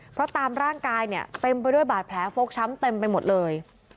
เพราะตามร่างกายเนี่ยเต็มไปด้วยบาดแผลฟกช้ำเต็มไปหมดเลย